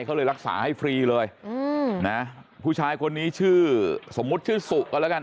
เขาเลยรักษาให้ฟรีเลยอืมนะผู้ชายคนนี้ชื่อสมมุติชื่อสุก็แล้วกัน